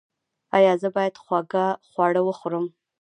ایا زه باید خوږ خواړه وخورم؟